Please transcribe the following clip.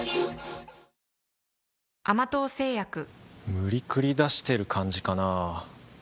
無理くり出してる感じかなぁ